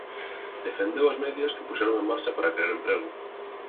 Defendeu as medidas que puxeron en marcha para crear emprego.